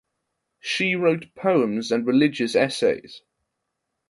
She wrote poems and religious essays.